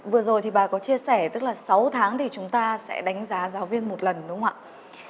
vừa rồi thì bà có chia sẻ tức là sáu tháng thì chúng ta sẽ đánh giá giáo viên một lần đúng không ạ